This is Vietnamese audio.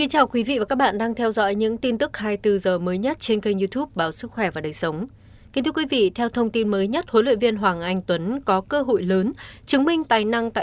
hãy đăng ký kênh để ủng hộ kênh của chúng mình nhé